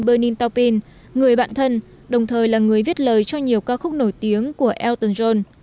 bernin taupin người bạn thân đồng thời là người viết lời cho nhiều ca khúc nổi tiếng của elton john